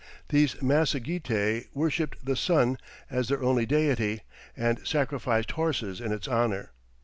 These Massagetæ worshipped the Sun as their only deity, and sacrificed horses in its honour.